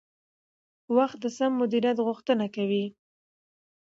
وخت د سم مدیریت غوښتنه کوي